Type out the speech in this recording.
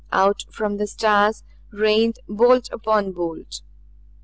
Out from the stars rained bolt upon bolt.